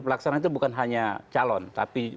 pelaksanaan itu bukan hanya calon tapi